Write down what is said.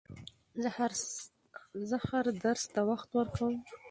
زه هر درس ته وخت ورکووم.